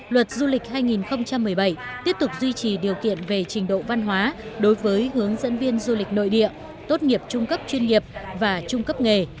luật du lịch hai nghìn một mươi bảy tiếp tục duy trì điều kiện về trình độ văn hóa đối với hướng dẫn viên du lịch nội địa tốt nghiệp trung cấp chuyên nghiệp và trung cấp nghề